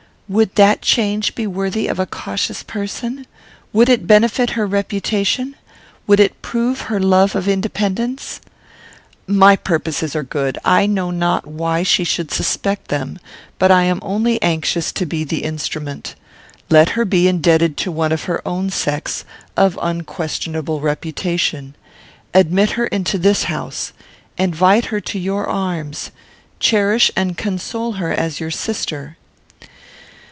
"Would that change be worthy of a cautious person? Would it benefit her reputation? Would it prove her love of independence?" "My purposes are good. I know not why she should suspect them. But I am only anxious to be the instrument. Let her be indebted to one of her own sex, of unquestionable reputation. Admit her into this house. Invite her to your arms. Cherish and console her as your sister."